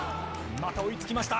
また追いつきました。